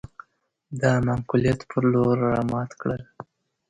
د معقوليت پر لور رامات کړل.